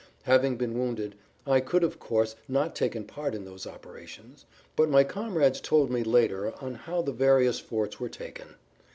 Having been wounded, I could of course not take part in those operations, but my comrades told me later on how the various forts were taken.